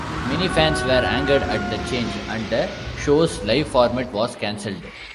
Many fans were angered at the change, and the show's live format was canceled.